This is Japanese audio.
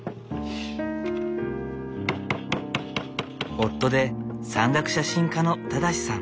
夫で山岳写真家の正さん。